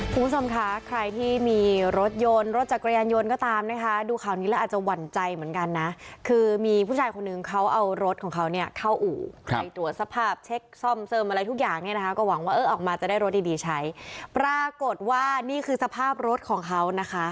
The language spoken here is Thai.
คุณผู้ชมคะใครที่มีรถยนต์รถจักรยานยนต์ก็ตามนะคะดูข่าวนี้แล้วอาจจะหวั่นใจเหมือนกันนะคือมีผู้ชายคนนึงเขาเอารถของเขาเนี่ยเข้าอู่ไปตรวจสภาพเช็คซ่อมเสริมอะไรทุกอย่างเนี่ยนะคะก็หวังว่าเออออกมาจะได้รถดีดีใช้ปรากฏว่านี่คือสภาพรถของเขานะคะ